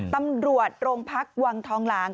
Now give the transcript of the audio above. ตำรวจโรงพักวังทองหลาง